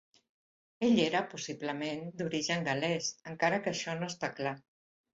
Ell era, possiblement, d'origen gal·lès, encara que això no està clar.